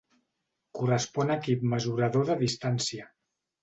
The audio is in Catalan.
Correspon a Equip mesurador de distància.